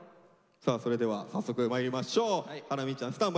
さあそれでは始めてまいりましょう。